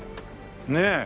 ねえ。